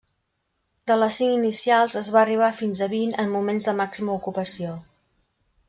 De les cinc inicials es va arribar fins a vint en moments de màxima ocupació.